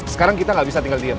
sekarang kita gak bisa tinggal diem